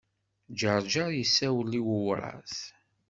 Ǧeṛǧeṛ yessawel i Wawras.